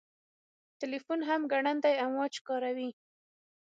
تلیفون هم ګړندي امواج کاروي.